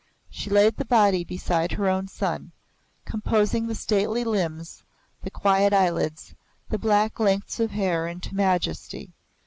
She laid the body beside her own son, composing the stately limbs, the quiet eyelids, the black lengths of hair into majesty.